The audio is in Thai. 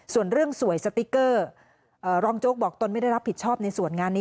ส่วนเรื่องสวยสติ๊กเกอร์รองโจ๊กบอกตนไม่ได้รับผิดชอบในส่วนงานนี้